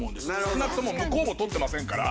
少なくとも向こうも取ってませんから。